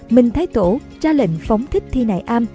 minh thái tổ ra lệnh phóng thích thi nại am